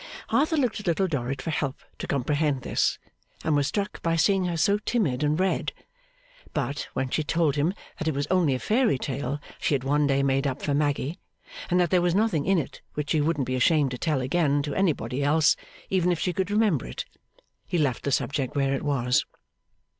Arthur looked at Little Dorrit for help to comprehend this, and was struck by seeing her so timid and red. But, when she told him that it was only a Fairy Tale she had one day made up for Maggy, and that there was nothing in it which she wouldn't be ashamed to tell again to anybody else, even if she could remember it, he left the subject where it was.